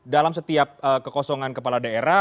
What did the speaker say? dalam setiap kekosongan kepala daerah